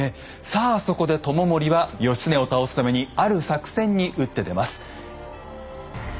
さあそこで知盛は義経を倒すためにある作戦に打って出ます。